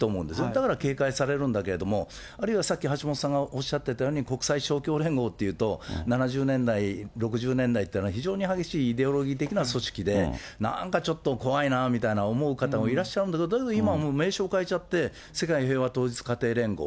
だから警戒されると思うんだけど、あるいはさっき橋本さんがおっしゃってたように国際勝共連合というと、７０年代、６０年代っていうのは非常に激しいイデオロギー的な組織で、なんかちょっと怖いなみたいな、思う方もいらっしゃるんだけど、だけど今は名称を変えちゃって、世界平和統一家庭連合。